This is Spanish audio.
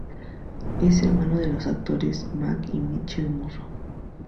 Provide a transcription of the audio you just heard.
Es hermano de los actores Marc y Mitchel Musso.